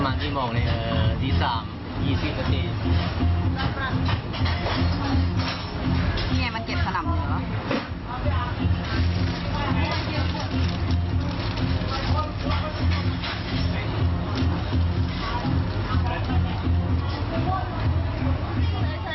สำหรับที่มองเนี่ยเอ่อที่สามที่สิบสัตว์นี่ไงมันเก็บสนามเหนือเหรอ